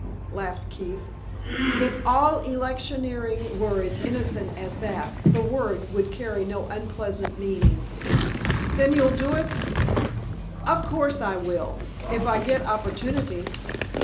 laughed Keefe. "If all electioneering were as innocent as that, the word would carry no unpleasant meaning." "Then you'll do it?" "Of course I will—if I get opportunity."